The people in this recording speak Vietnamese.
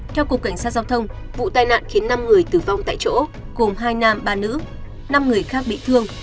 theo cục cảnh sát giao thông vụ tai nạn khiến năm người tử vong tại chỗ gồm hai nam ba nữ năm người khác bị thương